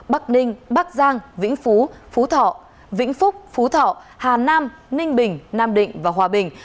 bắc ninh bắc giang vĩnh phú phú thọ vĩnh phúc phú thọ hà nam ninh bình nam định và hòa bình